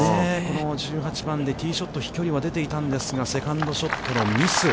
１８番でティーショット、飛距離は出ていたんすが、セカンドショットのミス。